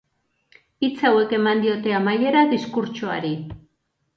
Hitz hauek eman diote amaiera diskurtsoari.